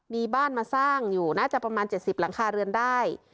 มีบ้านมาสร้างอยู่น่าจะประมาณ๗๐หลังคาเรือนได้